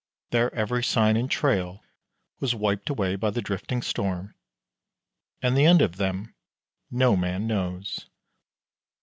Their every sign and trail was wiped away by the drifting storm, and the end of them no man knows.